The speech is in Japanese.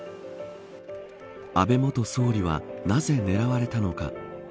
安倍元総理はなぜ狙われたのか。